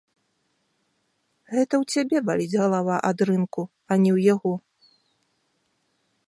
Гэта ў цябе баліць галава ад рынку, а не ў яго.